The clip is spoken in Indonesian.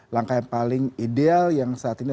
langkah yang paling ideal yang saat ini